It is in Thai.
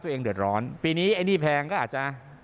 เดือดร้อนปีนี้ไอ้หนี้แพงก็อาจจะ